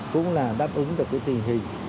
cũng là đáp ứng được cái tình hình